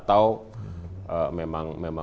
atau memang belum tegas saja